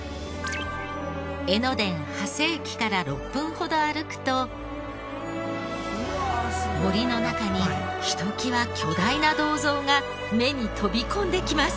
江ノ電長谷駅から６分ほど歩くと森の中にひときわ巨大な銅像が目に飛び込んできます。